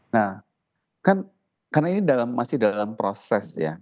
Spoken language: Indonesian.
nah kan karena ini masih dalam proses ya